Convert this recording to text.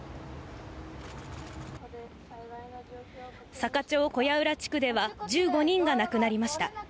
坂町小屋浦地区では１５人が亡くなりました。